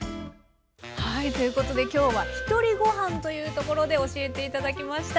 はいということで今日はひとりごはんというところで教えて頂きました。